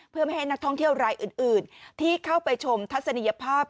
เพื่อไม่ให้นักท่องเที่ยวรายอื่นที่เข้าไปชมทัศนียภาพ